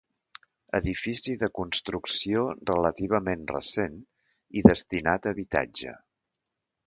Edifici de construcció relativament recent i destinat a habitatge.